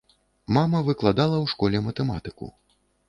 Мама выкладала ў школе матэматыку.